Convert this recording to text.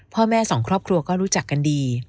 พ่อแม่สองครอบครัวก็รู้จักกันดี